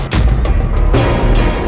mengfull dan takut hari ini